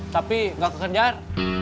tapi gak kekejar